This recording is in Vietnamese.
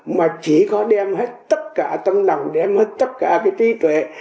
mà chỉ có đem hết tất cả tâm lòng đem hết tất cả cái trí tuệ